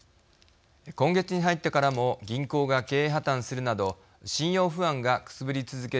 今月に入ってからも銀行が経営破綻するなど信用不安がくすぶり続けるアメリカ。